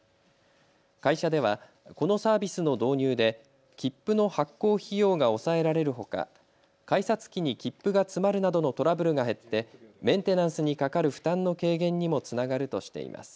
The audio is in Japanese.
会社ではこのサービスの導入で切符の発行費用が抑えられるほか改札機に切符が詰まるなどのトラブルが減ってメンテナンスにかかる負担の軽減にもつながるとしています。